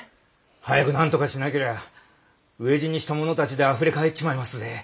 早くなんとかしなけりゃ飢え死にした者たちであふれ返っちまいますぜ。